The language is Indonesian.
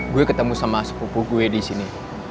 gue ketemu sama sepupu gue disini